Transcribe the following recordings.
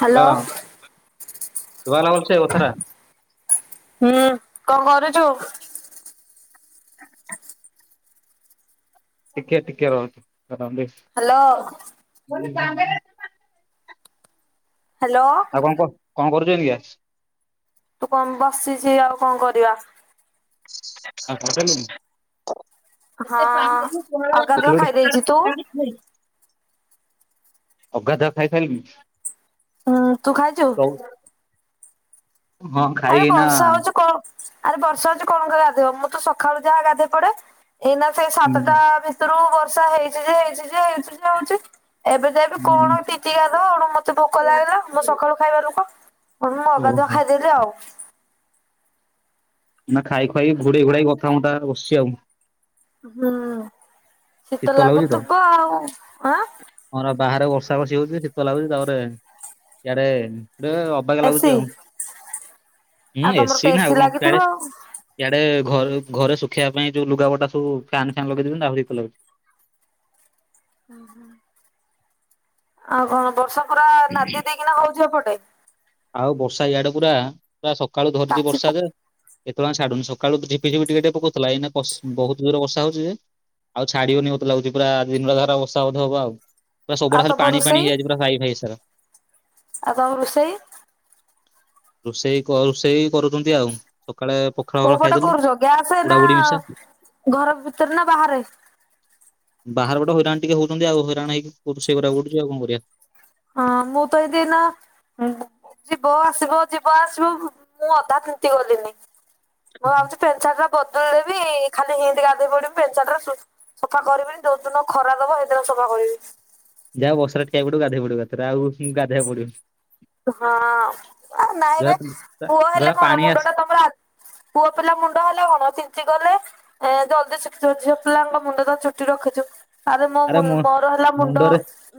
Hello. Hello [unintelligible] ତୁ ଭଲ ବଛ କଥରା ହୁଁ କଣ କରୁଛୁ? ଟିକେ ଟିକେ ରହୁଛି ହାଲୋ ମଣ ସଙ୍ଗ ହାଲୋ ଆଉ କଣ କ କଣ କରୁଛ କିଏ ତୁ କଣ ବସିଚି ଆଉ କଣ କରିବା ହ କଲିି ହଁ ଅଗାଧୁଆ ଖାଇ ଦେଇଛି ତୁ? [inaudible] ଅଗାଧୁଆ ଖାଇସାଇଲୁନି ହୁଁ ତୁ ଖାଇଛୁ ଖାଇ ଆରେ ଏଇନା ବର୍ଷା ହଉଚି କଣ ଆରେ ବର୍ଷା ହେଛି କଣ କରି ଗାଧବ ମୁଁ ତ ସକାଳୁ ଯାହା ଗାଧେଇ ପଡେ ଏଇନା ସେଇ ସାତଟା ଭିତ ତେରୁ ବର୍ଷା ହେଇଛି ଯେ ହେଇଛି ଯେ ହେଇଛି ଯେ ହଉଛି ଏବେ ତ ଏବେ କଣ ଟି [inaudible] ମତେ ଭୋକ ଲାଗିଲା ମୁଁ ସକାଳୁ ଖାଇବା ଲୋକ ମୁଁ ଅଗାଧୁଆ ଓହୋ ଖାଇଦେଲି ଆଉ ନା ଖାଇ ଖୁାଇ ଘୋଡେଇ ଘୋଡେଇ କଥା ହଁ ଟା ବସିଛି ଆଉ ହୁଁ ଶୀତ ଲାଗୁଥିବ ଆଉ ଆଁ ହର ବାହାରେ ବର୍ଷା ବର୍ଷି ହଉଛି ଶୀତ ଲାଗୁଛି ତାପରେ ଇଆଡେ ଟେ ଅବା ଗିଆ ଲାଗୁଛି ଏସି। ଆଉ ଆଉ ଉଁ ତମର ତ ଏସି ନା ଏସିି ଆଉ କଣ ଲାଗିଥିବ ସିଆଡେ ଆଉ। ଇଆଡେ ଘ ଘରେ ଶୁଖେଇବା ପାଇଁ ଯୋଉ ଲୁଗା ପଟା ସବୁ ଫ୍ୟାନ୍ ଫ୍ୟାନ୍ ଲଗେଇ ଦେଉଛନ୍ତି ଆହୁରିି ଶୀତ ଲାଗୁଛି। [inaudible] ଆଉ କଣ ବର୍ଷ ପରା ନାଦି ଦେଇକିନା ହଉଛି ସେପଟେ ଆଉ ବର୍ଷା ଇଆଡେ ପୁରା ପୁରା ସକାଳୁ ଧରିଛି କାଚି ପୁ ବର୍ଷା ଯେ ଏତେବେଳେ ଯାଙ୍କ ଛାଡୁନି ସକାଳୁ ଝିପି ଝିପି ଟିକେ ଟେ ପକଉଥିଲା ଏଇ ବହୁତୂର ବର୍ଷ ହଉଚି ଯେ ଆଉ ଛାଡିବନି ବତ ଲାଗୁଛି ପୁରା ଦିନଟା ଧ ବର୍ଷା ବଧ ହବ ଆଉ ପୁରା ସବୁଡା ଆଉ ଆଡେ ତମ ପାଣି ରୋଷେଇ ପାଣି ହେଇଯାଇଛି ପୁରା ସାଇ ଭାଇ ସାରା ଆଉ ତମ ରୋଷେଇ ରୋଷେଇ କ ରୋଷେଇ କରୁଛନ୍ତି ଆଉ ସକାଳେ ପ କୋଉ ପଟେ କରୁଛ ଗ୍ୟାସ ନା ଘର ଭିତରେ ନା ବାହାରେ ବାହାର ପଟେ ହଇରାଣ ଟିକେ ହଉଛନ୍ତି ଆଉ ହଇରାଣ ହେଇକି ରୋଷେଇ କରିବାକୁ ପଡୁଛି ଆଉ କଣ କରିବା ହଁ ମୁଁ ତ ଦିନ ହୁଁ ଯିବ ଆସିବ ଯିବ ଆସିବ ମୁଁ ଅଧା ତିନ୍ତି ଗଲିନି ମୁଁ ଭାବୁଛି ପେନ୍ସାର୍ଟ ଟା ବଦଳି ଦେବି ଖାଲି ସେମିତି ଗାଧୋଇ ପଡିବି ପେନ୍ସସାର୍ଟ ଖାଲି ସେମିତି ସଫା କରିବିନି ଯୋଉ ଦିନ ଖରା ଦବ ସେଦିନ ସଫା କରିବି। ଯାହା ବର୍ଷାରେ ଠିଆ ପଡିବୁ ଗାଧୋଇଆ ପଡିବୁ ଏକା ଥରେ ଆଉ ଗାଧେଇବାକୁ ପଡିବନି ହଁ ଆ ନାଇ ଜରା ବେ ପୁଅ ଜରା ହେଲେ କଣ ପାଣି ଆସ ମୁଣ୍ଡ ଟା ତମର ଆ ପୁଅ ପିଲା ମୁଣ୍ଡ ହେଲେ କଣ ତିନ୍ତୀ ଗଲେ ଏ ଜଲଦି ଶୁଖିଯିବ ଝିଅ ପିଲାଙ୍କ ମୁଣ୍ଡ ତ ଚୁଟି ରଖିଛୁ ଆରେ ମୋ ମୁ ମୋର ହେଲା ମୁଣ୍ଡ ମୁଣ୍ଡରେ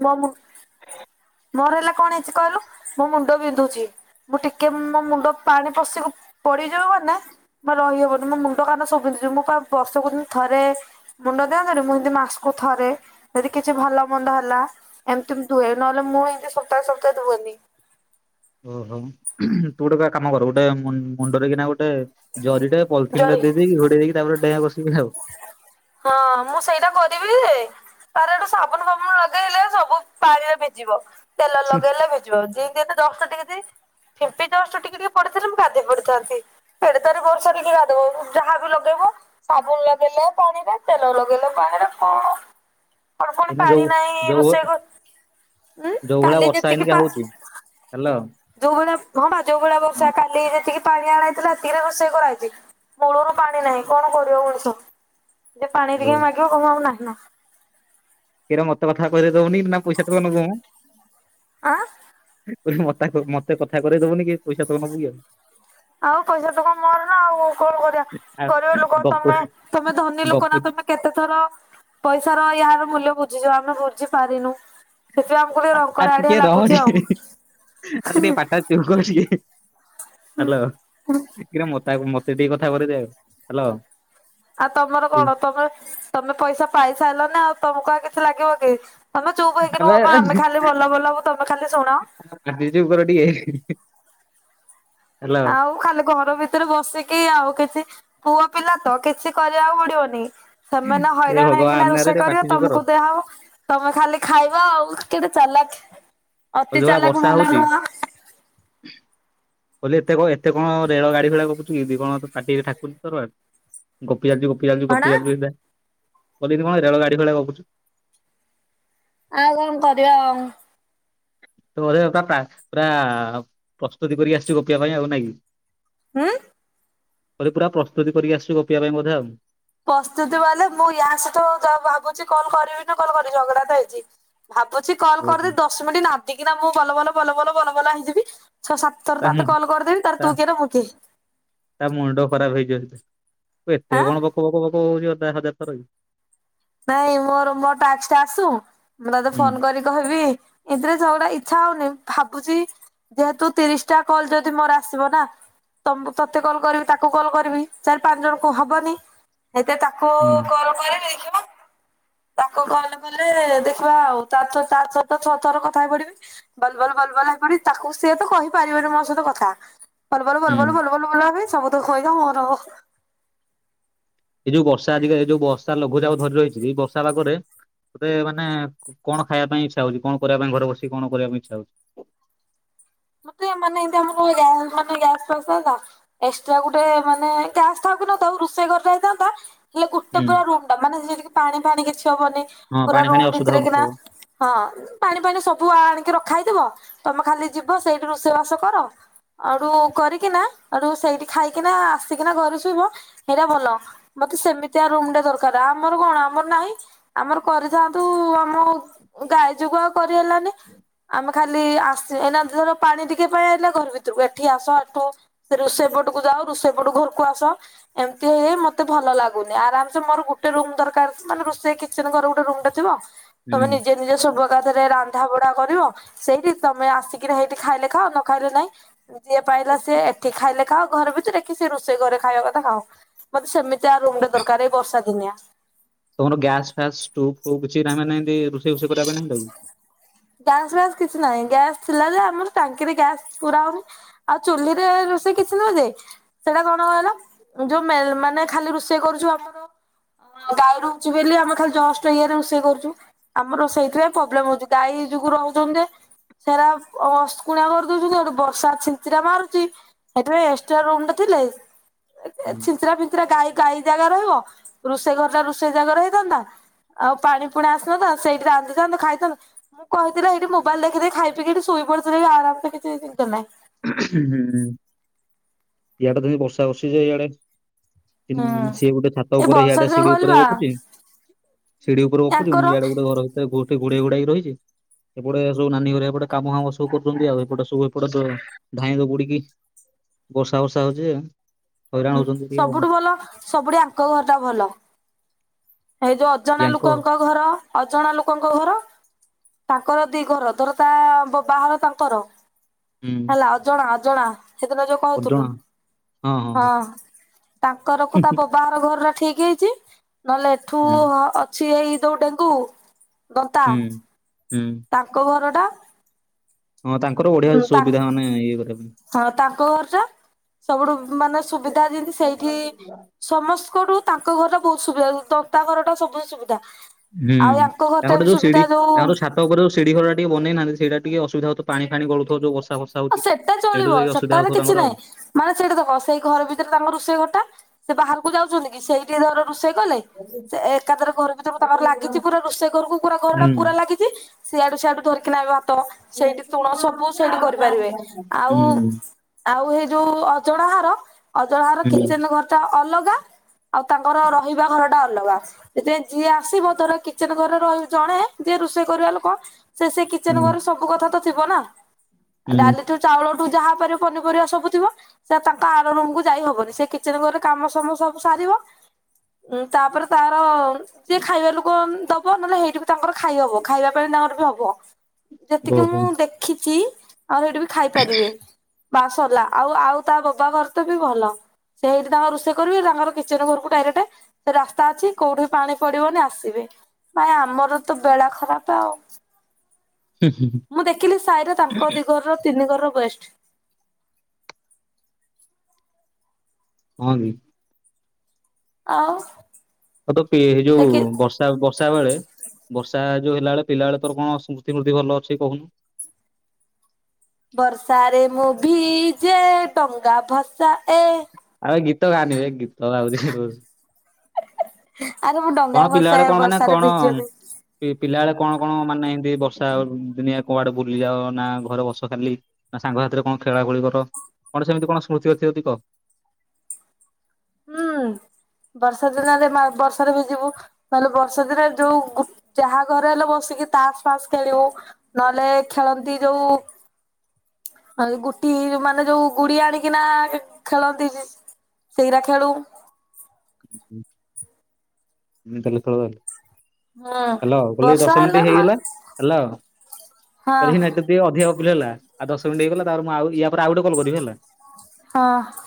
ମୋ ମୁ ମୋର ହେଲା କଣ ହେଇଛି କହିଲୁ ମୋ ମୁଣ୍ଡ ବିନ୍ଧୁଛି। ମୁଁ ଟିକେ ମୋ ମୁଣ୍ଡ ପାଣି ପଶିକକୁ ପଡିଯିବ ମାନେ ଜମା ରହି ହବନି ମୋ ମୁଣ୍ଡ କାନ ସବ ପିନ୍ଧିି ମୁଁ ବର୍ଷକୁ ଥରେ ମୁଣ୍ଡ ଦିଅନ୍ତ ମୁଁ ଏମିତି ମାସକୁ ଥରେ ଯଦି କିଛି ଭଲ ମନ୍ଦ ହେଲା ଏମିତି ଦୁହଇ ନ ନ ମୁ ଇମିତି ସପତା ସପତା ଧୁଅନ୍ତି ଓହୋ ତୁ ଗୋଟେ କ କାମ କର ଗୋଟେ ମୁଣ୍ଡରେ କିନା ଗୋଟେ ଜରିଟେ ପଲିଥିନ୍ ଟା ଜରି ଦେଇକ ଘଡେଇ ଦେଇକ ତାପ ଡାଁ ବସିକି ଆଉ ହଁ ମୁଁ ସେଇଟା କରିବିଯେ ତାର ଏଠୁ ସାବୁନ୍ ଫାବୁନ୍ ଲଗେଇଲେ ସବୁ ପାଣିରେ ଭିଜିବ। ତେଲ ଲଗେଇଲେ ଭିଜିବ ଯେତି ଦଶା ଟିକେଯି ିମ୍ପି ଜଷ୍ଟ ଟିକେ ଟିକେ ପଡ଼ିଥିଲେ ମୁଁ କାଧେଇ ପଡ଼ିଥାନ୍ତି। ଏଡ଼େ ତରେ ବର୍ଷାରେ କିଏ ଗାଧେଇବ ଯାହାବି ଲଗେଇବ ସାଗୁନ୍ ଲଗେଇଲେ ପାଣିରେ ତେଲ ଲଗେଇଲେ ବାହାରେ କଣ କଣ ଫୁଣି ଏଇନା ଯୋଉ ପାଣି ନାହିଁ ଯୋଉ ରୋଷେଇକ ଯୋଉ ଭଳିଆ ବର୍ଷା ହେଇନିକି ହଉଚି ହାଲୋ। ଯୋଉ ଭଳିଆ ହଁବା ଯୋଉ ଭଳିଆ ବର୍ଷା କାଲି ଯେତିକି ପାଣି ଆଣା ହୋଇଥିଲା ସେତିକିରେ ରୋଷେଇ କରାହୋଇଚି। ମୂଳରୁ ପାଣି ନାହିଁ କଣ କରିବ ମଣିଷ ଯେ ପାଣି ଓ ଟିକେ ମାଗିବ କହିବୁ ଆଉ ନାହିଁ ନା। କିରେ ମତେ କଥାକହିତେ ଦଉନି ନାପଇସା ଦବୁନୁ। ଆଁ? ମତା ମତେ କଥା କରେଇ ଦୋବନିକି ପଇସା ତ ନେବୁକି ଆଉ। ଆଉ ପଇସା ତକ ମୋରନା ଆଉ କଣ କରିବା ଆ ଗରିବ ଲୋକ ଗପୁ ତମେ ତମେ ଧନୀ ଲୋକନା ଗପୁଚି ତମେ କେତେଥର ପଇସାର ଏରା ମୂଲ୍ୟ ବୁଝିଜ ଆମେ ବୁଝି ପାରିନୁ ସେଥିପାଇଁ ଆମକୁ ଟିକେ ଆ ରଙ୍କରା ଆଡ଼ିଆ ଟିକେ ରହ ଲାଗୁଚି ଆଉ। କହୁଚିକି ହାଲୋ ବିକ୍ରମ ମୋତେ ଆଗ ମତେ ସେତିକି କଥା କରେଇଦେ ହାଲୋ। ଆଉ ତମର କଣ ତମେ ତମେ ପଇସା ପାଇସାରିଲନା ଆଉ ତମକୁ ଆଉ କିଛି ଲାଗିବକି। ତମେ ଚୁପ୍ ହେଇକି ଆବେ ରୁହମ ଆମେ ଖାଲି ବଲ ବଲ ହବୁ ତମେ ଖାଲି ଶୁଣ। ପାଟି ଚୁପ୍ କର ଟିକେ। ହ୍ୟାଲୋ ଆଉ ଖାଲି ଘର ଭି ଘର ଭିତରେ ବସିକି ଆଉ କିଛି ପୁଅ ପିଲାତ କିଛି କରିବାକୁ ପଡ଼ିବନି ସେମାନେ ଏ ହଇରାଣ ହେଇକିନା ଭଗବାନ ଆରେ ରୋଷେଇ ଟିକେ କରିବେ ପାଟି ଚୁପ୍ କର ତମକୁ ଦିଆହବ ତମେ ଖାଲି ଖାଇବ ଆଉ କେତେ ଚାଲାକ୍ ଯୋଉ ଅତି ଭଳିଆ ଚାଲାକ୍ ବର୍ଷା ଭଲ ହଉଛି ନୁହଁ। [inaudible] ବୋଲି ଏତେ କଣ ଏତେ କଣ ରେଳ ଗାଡ଼ିଭଳିଆ ଗପୁଚୁକି କଣ ପାଟିରେ ଠାକୁ [unintelligible] ଗୋପି ଚାଲିଚୁ ଗୋପି ଚାଲିଚୁ ହଣା ଗୋପି ଚାଲିଚୁସିଧା କହୁଥିନି କଣ ରେଳ ଗାଡ଼ି ଭଳିଆ ଗପୁଚୁ ଆଉ କଣ କରିବା ଆଉ। ତ ବୋଧେ ପୁରା ପୁରା ପ୍ରସ୍ତୁତି କରି ଆସିଚୁ ଗପିବା ପାଇଁ ଆଉ ନାଆଁକି। ଉଁ? ବୋଧେ ପୁରା ପ୍ରସ୍ତୁତି କରିକି ଆସିଚୁ ଗୋପିବା ପାଇଁ ବୋଧେ ଆଉ। ପ୍ରସ୍ତୁତି ବଲେ ମୁଁ ୟାସହିତ ଭାବୁଚି କଲ୍ କରିବିନି କଲ୍ କରିବି ଝଗଡ଼ାତ ହେଇଚି। ଭାବୁଚି କଲ୍ ଓହୋ। କରିଦେଇ ଦଶ ମିନିଟ୍ ନଧିକିନା ମୁଁ ବଲ ବଲ ବଲ ବଲ ବଲ ବଲ ହେଇଯିବି ଛଅ ସାତ ତୋର ତା ମୁ ତତେ କଲ୍ କରିଦେବି ତାପରେ ତା ତୁ କିଏନା ମୁଁ କିଏ। ତା ମୁଣ୍ଡ ଖରାପ୍ ହେଇଯିବ ତୁ ଏତେ ଆଁ। କଣ ବକ ବକ ବକ ହୋଉଚୁ ହଜାର ଥରକି। ନାଇଁ ମୋର ମୋର ଟାଷ୍କଟା ଆସୁ ମୁଁ ତତେ ହୁଁ। ଫୋନ୍ କରିକି କହିବି ଏଥିରେ ଝଗଡ଼ା ଇଚ୍ଛା ହଉନି ଭାବୁଚି ଯେହେତୁ ତିରିଶଟା କଲ୍ ଯଦି ମୋର ଆସିବନା ତମ୍ ତତେ କଲ୍ କରିବି ତାକୁ କଲ୍ କରିବି ଚାରି ପାଞ୍ଚ ଜଣକୁ ହବନି ହେଇତେ ତାକୁ ହୁଁ। କଲ୍ କରିବି ଦେଖିବା ତାକୁ କଲ୍ କଲେ ଦେଖିବା ଆଉ ତାରତ ଛ ଛଅ ଥର କଥା ହେଇ ପଢ଼ିବି। ବଲବଲ ବଲବଲ ହେଇପଡ଼ି ତାକୁ ସିଏତ କହିପାରିବନି ମୋସହିତ କଥା ବଲ ବଲ ବଲ ବଲ ହୁଁ ବଲ ବଲ ବଲ ହେବି ସବୁତକ ପଇସା ମୋରହବ। ଏଇ ଯୋଉ ବର୍ଷା ଅଧିକା ହେଯୋଉ ବର୍ଷା ଲଘୁଚାପ ଧରି ରହିଚି ଏଇ ବର୍ଷା ପାଗରେ ତୋତେ ମାନେ କଣ ଖାଇବା ପାଇଁ ଇଚ୍ଛା ହଉଜି କଣ କରିବା ପାଇଁ ଘରେ ବସି କଣ କରିବା ପାଇଁ ଇଛା ହଉ ମତେ ମାନେ ଏନ୍ତି ଆମ ଗ୍ୟାସ୍ [unintelligible] ଏକ୍ସଟ୍ରା ଗୋଟେ ମାନେ ଗ୍ୟାସ୍ ଥାଉ କି ନଥାଉ ରୋଷେଇ ଘରଟା ହେଇଥାନ୍ତା ହେଲେ ଗୋଟେ ହୁଁ ପୁରା ରୁମ୍ ଟା ମାନେ ଜିନ୍ଦି କି ପାଣି ଫାଣି କିଛି ହବନି ହଁ ପୁରା ପାଣି ରୁମ ଫାଣି ଅସୁବିଧା ଭିତରେ କିନା ହଉନଥିବ ହଁ ପାଣି ଫାଣି ସବୁ ଆଣିକି ରଖା ହେଇଥିବ ତମେ ଖାଲି ଯିବ ସେଇଠି ରୋଷେଇ ବାସ କର ଅଡୁ କରିକିନା ଆଡୁ ସେଇଠି ଖାଇକିନା ଆସିକିନା ଘରେ ଶୋଇବ ସେଇଟା ଭଲ। ମତେ ସେମିତି ଆ ରୁମ୍ ଟେ ଦରକାର ଆମର କଣ ଆମର ନାହିଁ। ଆମର କରିଥାନ୍ତୁ ଆମ ଗାଈ ଯୋଗୁଁ କରିହେଲାନି ଆମେ ଖାଲି ଆସି ଏଇନା ଧର ପାଣି ଟିକେ ପାଇଁ ଆଇଥିଲା ଘର ଭିତରକୁ ଏଠି ଆସ ଏଠୁ ସେ ରୋଷେଇ ପଟକୁ ଯାଓ ରୋଷେଇ ପଟୁ ଘରକୁ ଆସ। ଏମିତି ହେଇ ହେଇ ମତେ ଭଲ ଲାଗୁନି ଆରାମସେ ମୋର ଗୋଟେ ରୁମ ଦରକାର ମାନେ ରୋଷେଇ କି ସେ ତାଙ୍କ ଘରେ ଗୋଟେ ରୁମ୍ ଟି ଥିବ। ତମେ ହୁଁ। ନିଜେ ନିଜେ ଶବୁ ଏକାଥରେ ରାନ୍ଧା ବଢା କରିବ ସେଇଠି ତମେ ଆସିକି କିରେ ହେଇଠି ଖାଇଲେ ଖା ନ ଖାଇଲେ ନାଇଁ ଯିଏ ପାଇଲା ସିଏ ଏଠି ଖାଇଲେ ଖାଅ ଘରେ ଭିତରେ କି ସେ ରୋଷେଇ ଘରେ ଖାଇବା କଥା ଖାଅ। ମତେ ସେମିତି ଆ ରୁମ୍ ଟେ ଦରକାର ଏଇ ବର୍ଷା ଦିନିଆ। ତମର ଗ୍ୟାସ୍ ଫ୍ୟାସ୍ ଷ୍ଟୋ୍ ଫୁ କିଛି ତା ମାନେ ଏମିନ୍ତି ରୁଷେ ଫୁଷେ କରିବା ପାଇଁ ନାହିଁ ତ ଗ୍ୟାସ ଫ୍ୟାସ କିଛି ନାହିଁ ଗ୍ୟାସ୍ ଥିଲା ଯେ ଆମର ଟାଙ୍କିରେ ଗ୍ୟାସ୍ ପୁରାଉନି। ଆଉ ଚୁହ୍ଲି ରେ ରୋଷେଇ କିଛିନୁଯେ ସେଇଟା କଣଲ ଯୋଉ ମେ ମାନେ ଖାଲି ରୁଷେଇ କରୁଛୁ ଆମର ଗାଈରୁଛି ବେଲି ଆମେ ଖାଲି ଜଷ୍ଟ ଇଏରେ ରୁଷେଇ କରୁଛୁ। ଆମର ସେଇଥିପାଇଁ ପ୍ରୋବ୍ଲେମ ଉଛି ଗାଈ ଯୋଗୁ ରହୁଛନ୍ତଯେ ହେରା ଅସ୍କୁଣା କରିଦଉଛନ୍ତି ସେଠୁ ବର୍ଷା ଛିଞ୍ଚିରା ମାରୁଛି। ଏଥିପାଇଁ ଏକ୍ସଟ୍ରା ରୁମ୍ ଟେ ଥିଲେ ଛିଞ୍ଚିରା ଫିଞ୍ଚିରା ଗାଈ ଗାଈ ଜାଗା ରହିବ ରୁଷେଇ ଘର ଟା ରୁଷେଇ ଜାଗା ରହିଥାନ୍ତା। ଆଉ ପାଣି ପୁଣା ଆସିନତା ସେଇଠି ରାନ୍ଧିଥାନ୍ତ ଖାଇଥାନ୍ତୁ। ମୁଁ କହିଥିଲେ ଏଇଠି ମୋବାଇଲ୍ ଦେଖି ଦେ ଖାଇ ପିକି ଠି ଶୋଇ ପଡିଥିଲେ ବି ଆରାମ୍ ସେ କିଛି ଚିନ୍ତା ନାହିଁ। ହୁଁ ଇଆଡେ ତ ଏ ବର୍ଷା ବସିିଯେ ଇଆଡେ ହୁଁ ଉଁ ସିଏ ଗୋଟେ ଛାତ ଏଇ ଉପରେ ବର୍ଷା ଇଆଡେ ଦିନ ସିଢି କହିଲି ଉପରେ ବା ଗ‌ପୁଛି। ସିଡି ଉପରେ ପୁଛି ମୁଁ ୟାଙ୍କର ଇଆଡେ ଗୋଟେ ଘର ଭିତରେ ଗୋଟେ ଘୋଡେଇ ଘୋଡାଇକି ରହିଛି। ଏପଟେ ସବୁ ନାନୀ ଘରିଆପଟେ କାମ ହାମ ସୁ କରୁଛନ୍ତି ଆଉ ଏପଟେ ସୁବୁ ଏପଟେସ ଧାଇଁ ଦ ବୁଡିକି ବର୍ଷା ବର୍ଷା ହଉଛି ଏ ହୁଁ ସବୁଠୁ ଭଲ ସବୁଠି ଆଙ୍କ ଘର ଟା ଭଲ। ଏଇ ଯୋଉ ଅଜଣା ୟାଙ୍କ ଲୋକଙ୍କ ଘର ଅଜଣା ଲୋକଙ୍କ ଘର ତାଙ୍କର ଦି ଘର ଧର ତା ବବାହ ତାଙ୍କର ହୁଁ। ହେଲା ଅଜଣା ଅଜଣା ସେଦିନ ଯଉ ସଜଣା କହୁଥୁଲୁ ହଁ ତାଙ୍କର କ ତା ବ ବାର ଘରରା ଠିକି ହେଇଛି ନହେଲେ ଏଠୁ ହୁଁ ଅ ଅଛି ଏଇ ଯୋଉ ଡେଙ୍ଗୁ ଦନ୍ତା ହୁଁ ହୁଁ। ତାଙ୍କ ଘରଟା ହଁ ତାଙ୍କର ବଢିଆ ସୁବିଧା ମାନେ ଇଏ କରିବା ପାଇଁ ହଁ ତାଙ୍କ ଘର୍ ଟା ସବୁଠୁ ମାନେ ସୁବିଧା ଯିନ୍ତି ସେଇଠି ସମସ୍କଠୁ ତାଙ୍କ ଘରା ବହୁତ୍ ସୁବିଧା ଦତା ଘର ଟା ସବୁ ସୁବିଧା। ହୁଁ ଆଉ ୟାଙ୍କ ଘର ଟା ତାଙ୍କର ବି ଯୋଉ ସିଢି ସୁବିଧା ଯୋଉ ତାଙ୍କର ଛାତ ଉପରେ ଯୋଉ ସିଡି ଘରଟା ଟିକେ ବନେଇ ନାହାଁନ୍ତି ସେଇଟା ଟିକେ ଅସୁବିଧା ହଉଥିବ ପାଣି ଫାଣି ଗଳୁଥିବ ଯୋଉ ବର୍ଷା ଫରର୍ଷା ଆଉ ସେଟା ଚଳିବ ସେଟାରେ କିଛି ନାହିଁ। ମାନେ ସେଇଠା ଦେଖ ସେଇ ଘର ଭିତରେ ତାଙ୍କ ରୁଷେଇ ଘଟା ସେ ବାହାରକୁ ଯାଉଛନ୍ତି କି ସେଇଠି ଧର ରୁଷେଇ କଲେ ସେ ଏକାଥରେ ଘରଭିତରୁ କୁ ତାଙ୍କର ଲାଗିଛି ପୁରା ରୋଷେଇ ଘରକୁ ପୁରା ଘର ଟା ହୁଁ ପୁରା ଲାଗି ଚି ସିଆଡୁ ସିଆଡୁ ଧରିକି ନା ଆଇଭାତ ସେଇଠି ତୁଣ ସବୁ ସେଇଠି କରି ପାରିବେ ଆଉ ହୁଁ ଆଉ ହେ ଯୋଉ ଅଜଣା ହର ଅଜଣା ହର ହୁଁ କିଚେନ୍ ଘର ତା ଅଲଗା ଆଉ ତାଙ୍କର ରହିବା ଘର ଟା ଅଲଗା। ଯେ ଯିଏ ଆସିବ ଧର କିଚେନ୍ ଘରେ ର ଜଣେ ଯିଏ ରୋଷେଇ କରିବା ଲୋକ ସେ ସେ କିଚେନ୍ ହୁଁ। ଘରେ ସବୁ କଥା ତ ଥିବ ନା। ହୁଁ ଡାଲି ଠୁ ଚାଉଳଠୁ ଯାହା ପାରିବ ପନି ପିରିବା ସବୁ ଥିବ। ସେ ତାଙ୍କ ଆର ରୁମକୁୁ ଯାଇ ହବନି ସେ କିଚେନ୍ ଘରେ କାମ ସବୁ ସାରିବ ଉଁ ତାପରେ ତାର ଯିଏ ଖାଇବା ଲୋକ ଦବ ନଲେ ହେଇଠି ବି ତାଙ୍କର ଖାଇ ହବ ଖାଇବା ପାଇଁ ତାଙ୍କର ବି ହବ। ଯେତିକି ଓହୋ ମୁଁ ହୁଁ ଦେଖିଚି ଆଉ ହେଠି ବି ଖାଇପାରିବେ। ବାସ ସରିଲା ଆଉ ଆଉ ତା ବୋବା ଘର ତ ବି ଭଲ। ସେଇଠି ତାଙ୍କ ରୁଷେଇ କରିବି ତାଙ୍କର କିଚେନ୍ ଘରକୁ ଡାଇରେଟେ ରାସ୍ତା ଅଛି କୋଉଠି ପାଣି ପଡିବନି ଆସିବେ‌। ପାଇଁ ଆମର ତ ବେଳା ଖରାପ ଆଉ। ହୁଁ ହୁଁ। ମୁଁ ଦେଖିଲି ସାଇରେ ତାଙ୍କ ଦିଘର ର ତିନି ଘର ର ବେଷ୍ଟ୍। [unintelligible] ଆଉ। ଆଉ ତ ପିଏରେ ଯୋଉ ସେ କି ବର୍ଷ ବର୍ଷା ବର୍ଷା ବେଳେ ବର୍ଷା ଯୋଉ ହେଲା ବେଳେ ପିଲାବେଳେ ତୋର କଣ ସ୍ମୃତି ଫୂର୍ତ୍ତି ଭଲ ଅଛି କହୁନୁ? ବର୍ଷାରେ ମୁଁ ଭିଜେ ଡଙ୍ଗା ଭସାଏ। ଆବେ ଗୀତ ଗାଆନି ବେ ଗୀତ ଗାଉଛି ଏଠି ବସିକି। ଆରେ ମୁଁ ଡ଼ କଣ ପିଲାବେଳେ କଣ ମାନେ କଣ ପି ପିଲା ବଳେ କଣ କଣ ମାନେ ଏମିତି ବର୍ଷା ଦିନିଆ କୁଆଡ଼େ ବୁଲିଯାଅ ନା ଘରେ ବସ ଖାଲି ନା ସାଙ୍ଗସାଥିରେ କଣ ଖେଳା ଖେଳି କର କଣ ସେମିତି କଣ ସ୍ମୃତି ଅଛି ଯଦି କହ? ହୁଁ ବର୍ଷା ଦିନରେ ମା ବର୍ଷାରେ ଭିଜିବୁ ତାହେଲେ ବର୍ଷା ଦିନରେ ଯୋଉ ଗୁ ଯାହା ଘରେ ହେଲେ ବସିକି ତାସ ଫାସ ଖେଳିବୁ। ନହେଲେ ଖେଳନ୍ତି ଯୋଉ ଆଉ ଗୁଟି ମାନେ ଯୋଉ ଗୁଡ଼ି ଆଣିକିନା ଖେଳନ୍ତି। ସେଇରା ଖେଳୁ। ଏମିତି ତାହେଲେ ଖେଳ। ହୁଁ ହାଲୋ କହିଲି ବର୍ଷା ଦଶ ମିନିଟ୍ ହେଲେ ମା ହେଇଗଲା ହାଲୋ ହଁ କହିଲି ନାଇଁ ଅଧିକା ଗପିଲି ହେଲା ଆଉ ଦଶ ମିନିଟ୍ ହେଇଗଲା ତାପରେ ମୁଁ ଇୟା ପରେ ଆଉ ଗୋଟେ କଲ୍ କରିବି ହେଲା। ହଁ।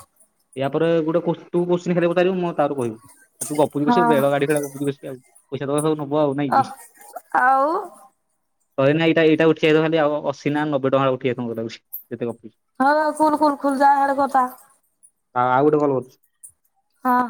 ଇୟାପରେ ଗୋଟେ ତୁ କୋଶ୍ଚିିନ ପଚାରିବୁ ମୁଁ ତାପରେ କହିବି। ଆଉ ତୁ ଗପୁଚୁ ବସିକି ଆଉ ରେଳ ହଁ ଗାଡି ଖେଳ ପଇସା ଦବ ନବୁ ଆଉ ନାଇଁ ଓ କି। ଆଉ ଶହେ ନା ଏଇଟାଏଇ ଉଠେଇଆ ଦେବ ଖାଲି ନା ଅଶି ନା ନବେ ଟଙ୍କା ଉଠେଇ [unintelligible] ହଁ ଖୁଲ୍ ଖୁଲ ଖୁଲ ଯା ହେଡ଼ କଥା ହଁ ଆଉ ଗୋଟେ କଲ୍ କରୁଛି। ହଁ।